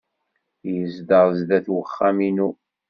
Yezdeɣ sdat wexxam-inu.